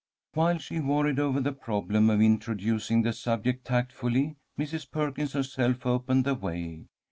While she worried over the problem of introducing the subject tactfully, Mrs. Perkins herself opened the way.